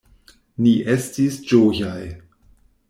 Ni estis ĝojaj.